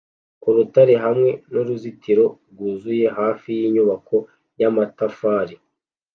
urutare hamwe nuruzitiro rwuzuye hafi yinyubako yamatafari